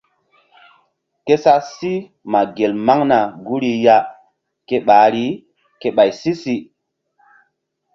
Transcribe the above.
Ke sa sí ma gel maŋna guri ya ke ɓahri ke ɓay si-si.